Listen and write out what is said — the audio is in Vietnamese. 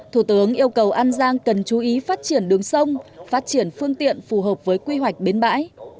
thủ tướng yêu cầu an giang cần chú ý phát triển đường sông phát triển phương tiện phù hợp với quy hoạch bến bãi